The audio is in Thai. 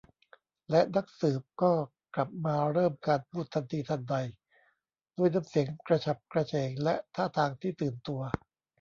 และนักสืบก็กลับมาเริ่มการพูดทันทีทันใดด้วยน้ำเสียงกระฉับกระเฉงและท่าทางที่ตื่นตัว